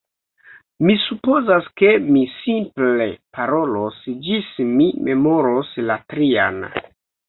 Mi supozas, ke mi simple parolos ĝis mi memoros la trian.